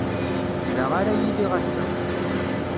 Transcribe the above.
Da ara iliɣ ass-a.